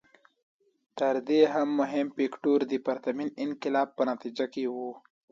تر دې هم مهم فکټور د پرتمین انقلاب په نتیجه کې و.